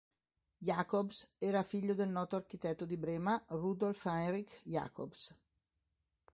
Jacobs era figlio del noto architetto di Brema Rudolf Heinrich Jacobs.